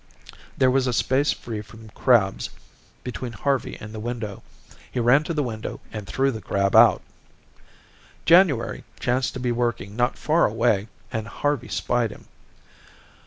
There was a space free from crabs between Harvey and the window. He ran to the window and threw the crab out. January chanced to be working not far away, and Harvey spied him.